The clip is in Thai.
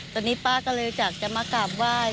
ตอนนี้ป้าก็เลยอยากจะมากราบไหว้